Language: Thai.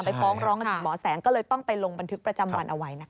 ฟ้องร้องกันถึงหมอแสงก็เลยต้องไปลงบันทึกประจำวันเอาไว้นะคะ